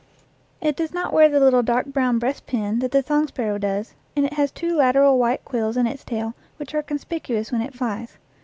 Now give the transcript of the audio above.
It does not wear the little dark brown breastpin that the song sparrow does, and it has two lateral white quills in its tail which are conspicuous when it flies.